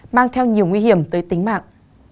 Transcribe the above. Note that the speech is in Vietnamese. mang theo nhiều nguy hiểm tới tính mạng